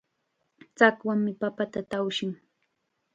Chakwam papata tawshin.